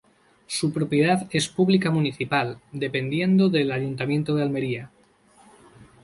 Su propiedad es pública-municipal dependiendo del Ayuntamiento de Almería.